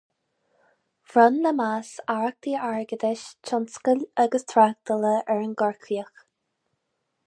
Bhronn Lemass aireachtaí airgeadais, tionscail agus tráchtála ar an gCorcaíoch.